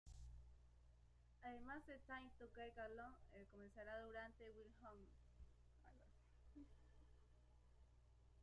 Además de "Time To Get Alone" comenzada durante "Wild Honey".